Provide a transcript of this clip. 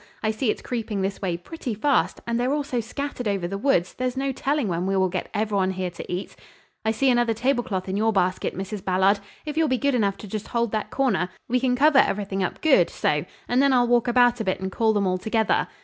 I see it's creeping this way pretty fast, and they're all so scattered over the woods there's no telling when we will get every one here to eat. I see another tablecloth in your basket, Mrs. Ballard. If you'll be good enough to just hold that corner, we can cover everything up good, so, and then I'll walk about a bit and call them all together."